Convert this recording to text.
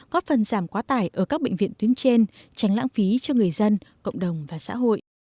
góp phần giảm quá tải ở các bệnh viện tuyến trên tránh lãng phí cho người dân cộng đồng và xã hội